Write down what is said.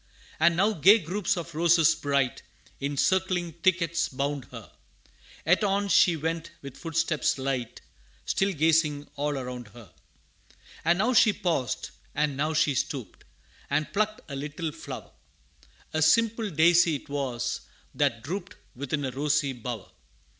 And now gay groups of roses bright, In circling thickets bound her Yet on she went with footsteps light, Still gazing all around her. And now she paused, and now she stooped, And plucked a little flower A simple daisy 'twas, that drooped Within a rosy bower.